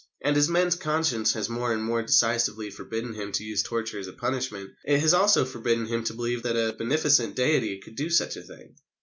And as man's conscience has more and more decisively forbidden him to use torture as a punishment, it has also forbidden him to believe that a beneficent Deity could do such a thing.